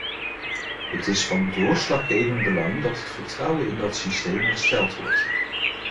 Het is van doorslaggevend belang dat het vertrouwen in dat systeem hersteld wordt.